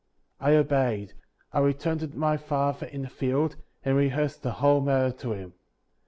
50. I obeyed; I returned * to my father in the field, and rehearsed the whole matter to him.